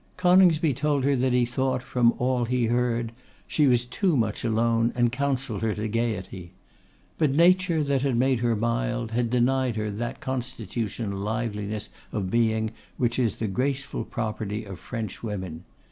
Coningsby told her that he thought, from all he heard, she was too much alone, and counselled her to gaiety. But nature, that had made her mild, had denied her that constitutional liveliness of being which is the graceful property of French women.